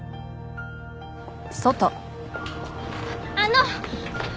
あの！